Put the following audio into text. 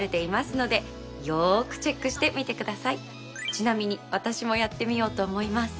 ちなみに私もやってみようと思います。